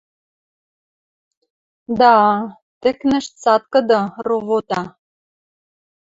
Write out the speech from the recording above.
Да, тӹкнӹш цаткыды, ровота